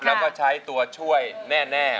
แล้วก็ใช้ตัวช่วยแน่